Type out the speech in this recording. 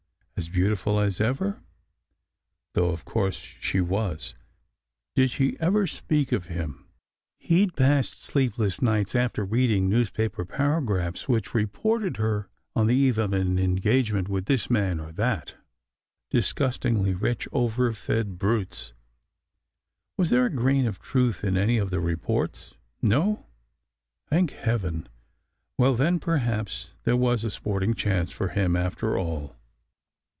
As beautiful as ever? Though of course she was ! Did she ever speak of him? He d passed sleepless nights after read ing newspaper paragraphs which reported her on the eve of an engagement with this man or that disgustingly SECRET HISTORY 65 rich, overfed brutes. Was there a grain of truth in any of the reports? No? Thank heaven! Well, then, per haps there was a sporting chance for him after all!